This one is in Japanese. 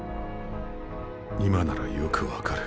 今ならよく分かる。